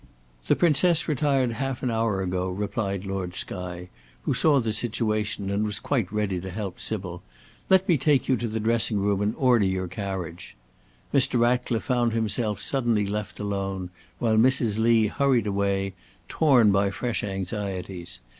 "The Princess retired half an hour ago," replied Lord Skye, who saw the situation and was quite ready to help Sybil; "let me take you to the dressing room and order your carriage." Mr. Ratcliffe found himself suddenly left alone, while Mrs. Lee hurried away, torn by fresh anxieties.